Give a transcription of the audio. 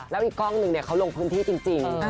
แล้วอีกกล้องนึงเขาลงพื้นที่จริง